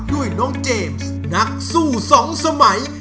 ด้วยน้องเจมส์นักสู้สองสมัย